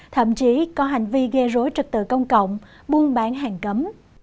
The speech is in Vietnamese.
thậm chí có hành vi gây rối trật tự công cộng buôn bán hàng cấm